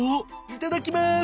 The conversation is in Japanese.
いただきまーす！